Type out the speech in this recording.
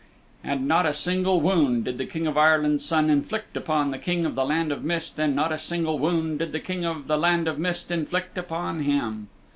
And not a single wound did the King of Ireland's Son inflict upon the King of the Land of Mist, and not a single wound did the King of the Land of Mist inflict upon him.